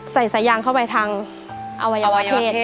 ใส่สายยางเข้าไปทางอวัยวะเพศ